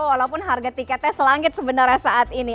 walaupun harga tiketnya selangit sebenarnya saat ini